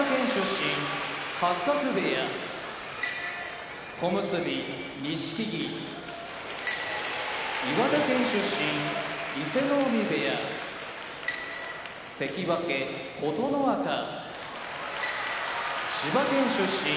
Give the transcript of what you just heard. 八角部屋小結・錦木岩手県出身伊勢ノ海部屋関脇・琴ノ若千葉県出身